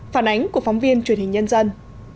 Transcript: phản ánh của phóng viên truyền hình nhân dân